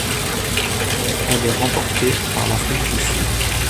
Elle est remportée par l'Afrique du Sud.